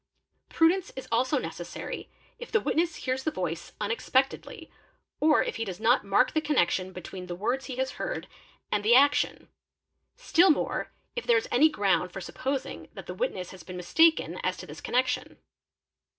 Prudence is also necessary if the witness hears the voice unexpectedly or if he does not mark the connection between the words he has heard and the action, still more if there is any ground for supposing that the witness has been ' mistaken as to this connection.